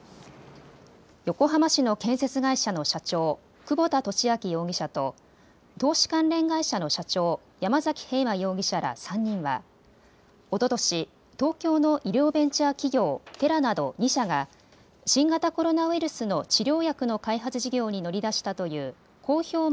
横浜市の建設会社の社長、久保田俊明容疑者と投資関連会社の社長、山崎平馬容疑者ら３人はおととし、東京の医療ベンチャー企業、テラなど２社が新型コロナウイルスの治療薬の開発事業に乗り出したという公表